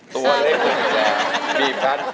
ตัวเล็กอีกแล้วบีบกัน